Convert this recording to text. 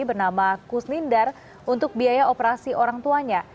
bernama kus lindar untuk biaya operasi orang tuanya